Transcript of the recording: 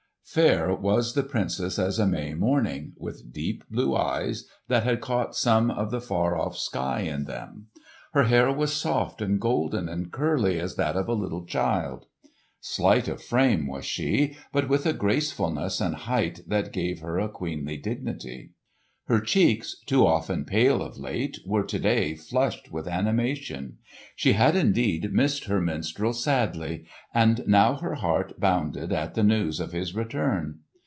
Fair was the Princess as a May morning, with deep blue eyes that had caught some of the far off sky in them. Her hair was soft and golden and curly as that of a little child. Slight of frame was she, but with a gracefulness and height that gave her a queenly dignity. Her cheeks, too often pale of late, were to day flushed with animation. She had indeed missed her minstrel sadly, and now her heart bounded at the news of his return.